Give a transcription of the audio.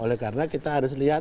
oleh karena kita harus lihat